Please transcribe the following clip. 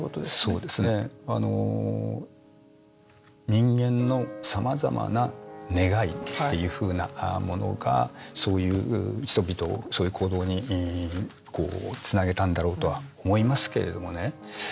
人間のさまざまな願いっていうふうなものがそういう人々をそういう行動につなげたんだろうとは思いますけれどもね。